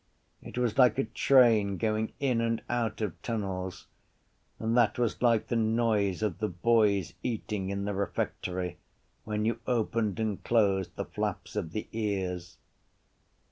It was like a train going in and out of tunnels and that was like the noise of the boys eating in the refectory when you opened and closed the flaps of the ears.